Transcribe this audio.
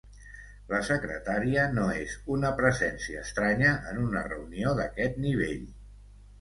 La secretària no és una presència estranya en una reunió d'aquest nivell.